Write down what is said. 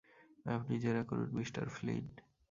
আপনি জেরা করুন, মিস্টার ফ্লিন।